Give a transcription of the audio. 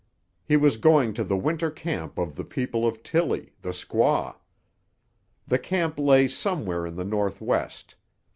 He was going to the Winter camp of the people of Tillie, the squaw. The camp lay somewhere in the northwest.